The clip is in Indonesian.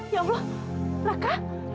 ya allah raka